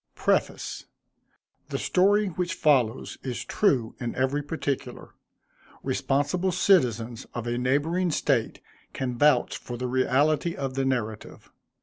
Y. PREFACE. The story which follows is true in every particular. Responsible citizens of a neighboring State can vouch for the reality of the narrative.